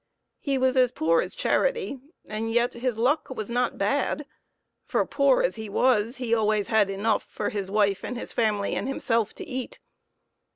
He was as poor as charity, and yet his luck was not bad, for, poor as he was, he always had enough for his wife and his family and himself to eat.